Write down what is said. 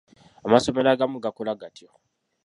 Amasomero agamu gakola gatyo.